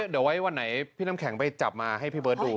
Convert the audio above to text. เดี๋ยวไว้วันไหนพี่น้ำแข็งไปจับมาให้พี่เบิร์ตดู